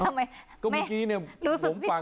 ทำไมรู้สึกสิ้นหวัง